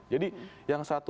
jadi yang satu